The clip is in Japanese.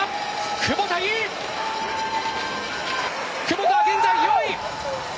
窪田は現在４位！